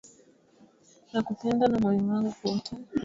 Nakupenda na moyo wangu wote